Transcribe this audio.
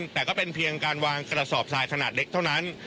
แต่ก็เป็นเพียงการวางกระสอบทรายขนาดเล็กเท่านั้น